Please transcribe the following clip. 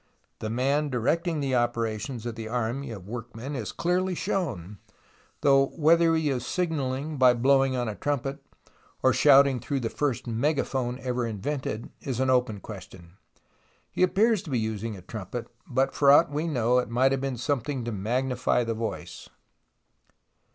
The man directing the opera lO 146 THE ROMANCE OF EXCAVATION tions of the army of workmen is clearly shown, though whether he is signalling by blowing on a trumpet, or shouting through the first megaphone ever invented, is an open question. He appears to be using a trumpet, but for aught we know it might have been something to magnify the voice.